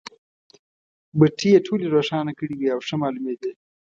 بټۍ یې ټولې روښانه کړې وې او ښه مالومېدې.